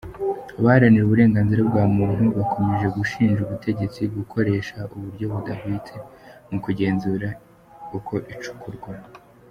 Abaharanira uburenganzira bwa muntu bakomeje gushinja ubutegetsi gukoresha uburyo budahwitse mu kugenzura uko icukurwa.